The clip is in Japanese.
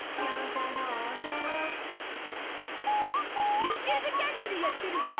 ＹｏｕＴｕｂｅ チャンネルやってるゾ